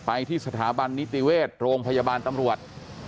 ที่สถาบันนิติเวชโรงพยาบาลตำรวจ